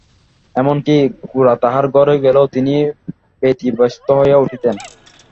এমন-কি, গোরা তাঁহার ঘরে গেলেও তিনি ব্যতিব্যস্ত হইয়া উঠিতেন।